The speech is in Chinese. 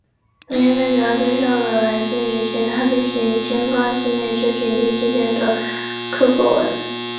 本页面主要介绍了来自于其他变形金刚系列之平行世界的柯博文。